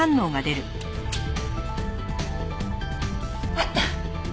あった！